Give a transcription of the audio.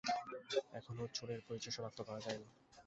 এখনো চোরের পরিচয় শনাক্ত করা যায়নি।